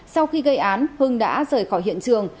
sau khi gây án hưng đã rời khỏi hiện trường